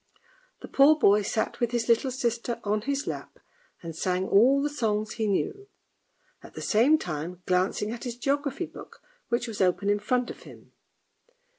The poor boy sat with his little sister on his lap and sang all the songs he knew, at the same time glancing at his geography book which was open in front of him.